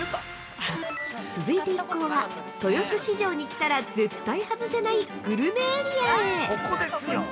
続いて一行は、豊洲市場に来たら絶対外せない、グルメエリアへ！